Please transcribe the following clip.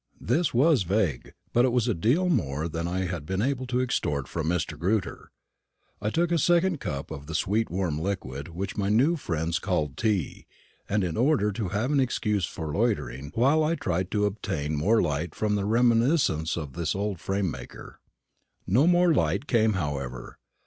This was vague, but it was a great deal more than I had been able to extort from Mr. Grewter. I took a second cup of the sweet warm liquid which my new friends called tea, in order to have an excuse for loitering, while I tried to obtain more light from the reminiscences of the old frame maker. No more light came, however.